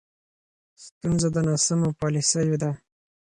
ستونزه د ناسمو پالیسیو ده.